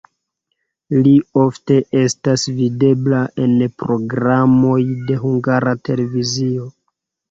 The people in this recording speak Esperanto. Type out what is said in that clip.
Li ofte estas videbla en programoj de Hungara Televizio.